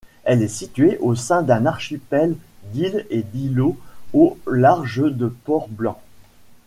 Elle est située au sein d'un archipel d'îles et d'îlots au large de Port-Blanc.